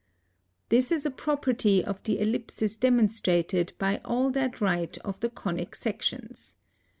This a property of the Ellipsis demonstrated by all that write of the conic sections.